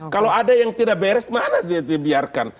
kalau ada yang tidak beres mana dibiarkan